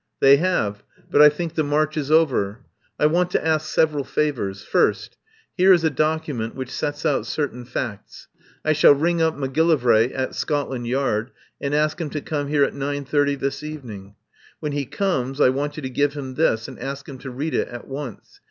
"They have, but I think the march is over. I want to ask several favours. First, here is a document which sets out certain facts. I shall ring up Macgillivray at Scotland Yard and ask him to come here at 9.30 this evening. When he comes I want you to give him this and ask him to read it at once.